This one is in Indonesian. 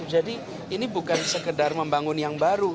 jadi ini bukan sekedar membangun yang baru